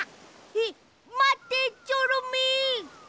えっまってチョロミー！